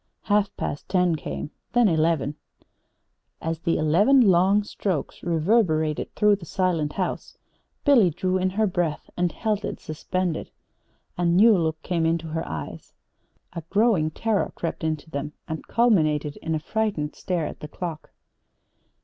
Half past ten came, then eleven. As the eleven long strokes reverberated through the silent house Billy drew in her breath and held it suspended. A new look came to her eyes. A growing terror crept into them and culminated in a frightened stare at the clock.